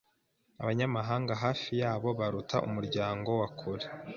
Abanyamahanga hafi yabo baruta umuryango wa kure.